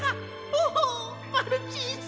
おおマルチーズ！